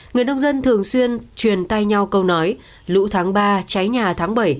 người nông dân thường xuyên truyền tay nhau câu nói lũ tháng ba cháy nhà tháng bảy